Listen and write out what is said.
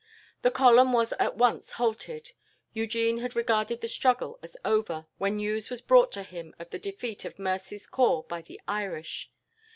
"The column was at once halted. Eugene had regarded the struggle as over, when news was brought to him of the defeat of Mercy's corps by the Irish.